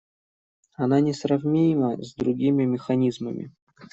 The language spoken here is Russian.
Она несравнима с другими механизмами.